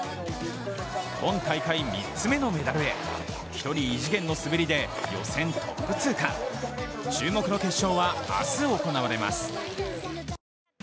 今大会３つ目のメダルへ１人異次元の滑りで予選トップ通過注目の決勝は明日行われます。